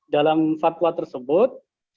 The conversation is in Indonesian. dalam fatwa tersebut